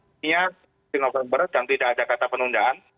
ininya di november dan tidak ada kata penundaan